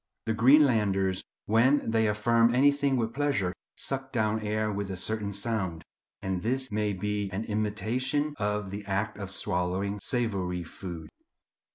The Greenlanders, "when they affirm anything with pleasure, suck down air with a certain sound;" and this may be an imitation of the act of swallowing savoury food.